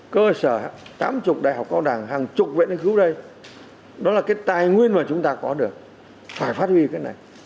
cơ sở tám mươi đại học cao đẳng hàng chục viện nghiên cứu đây đó là cái tài nguyên mà chúng ta có được phải phát huy cái này